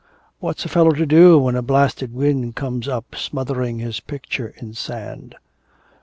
'What's a fellow to do when a blasted wind comes up smothering his picture in sand?'